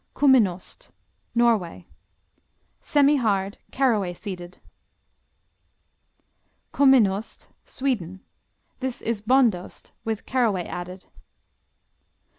Kuminost Norway Semihard; caraway seeded. Kumminost Sweden This is Bondost with caraway added.